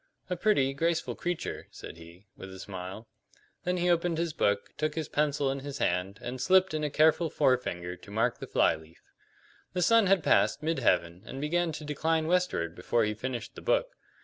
"A pretty, graceful creature," said he, with a smile. Then he opened his book, took his pencil in his hand, and slipped in a careful forefinger to mark the fly leaf. The sun had passed mid heaven and began to decline westward before he finished the book.